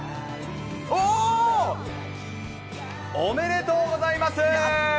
おー！おめでとうございます。